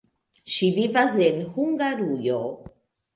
Ŝi vivas en Hungarujo.